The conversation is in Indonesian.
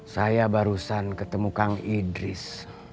saya barusan ketemu kang idris